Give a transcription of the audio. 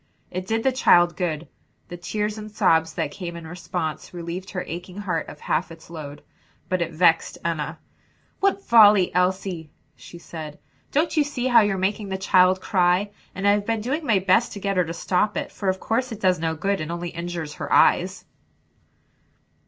It did the child good; the tears and sobs that came in response, relieved her aching heart of half its load. But it vexed Enna. "What folly, Elsie!" she said, "don't you see how you're making the child cry? And I've been doing my best to get her to stop it; for of course it does no good, and only injures her eyes."